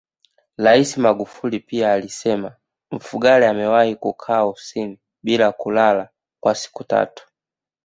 Rais Magufuli pia alisema Mfugale amewahi kukaa ofisini bila kulala kwa siku tatu